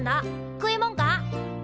食いもんか？